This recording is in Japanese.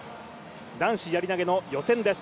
男子やり投の予選です。